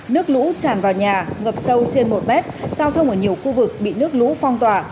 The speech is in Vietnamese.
nước lũ tràn vào nhà ngập sâu trên một mét giao thông ở nhiều khu vực bị nước lũ phong tỏa